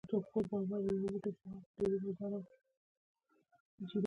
زردالو د پاکوالي نښه ده.